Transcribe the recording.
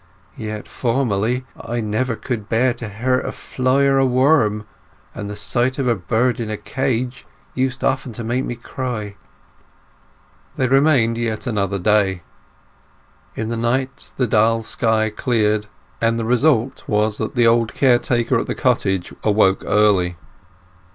Yet formerly I never could bear to hurt a fly or a worm, and the sight of a bird in a cage used often to make me cry." They remained yet another day. In the night the dull sky cleared, and the result was that the old caretaker at the cottage awoke early.